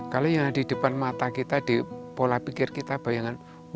kalau yang di depan mata kita di pola pikir kita bayangkan anggrek itu